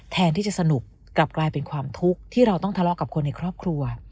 แทนที่จะสนุกกลับกลายเป็นความทุกข์ที่เราต้องทะเลาะกับคนในครอบครัว